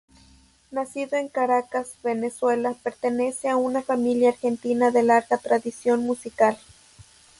Nacido en Caracas, Venezuela, pertenece a una familia argentina de larga tradición musical.